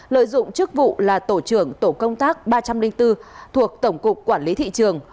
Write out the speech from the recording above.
lợi dụng chức vụ là tổ trưởng tổ công tác ba trăm linh bốn thuộc tổng cục quản lý thị trường